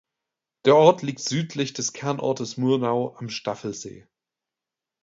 Der Ort liegt südlich des Kernortes Murnau am Staffelsee.